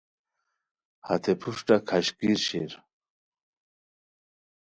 ہتے پروشٹہ کھاشکیر شیر